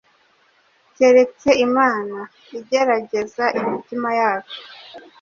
keretse Imana, igerageza imitima yacu.